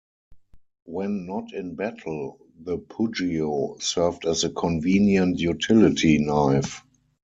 When not in battle, the "pugio" served as a convenient utility knife.